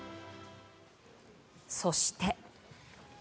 そして。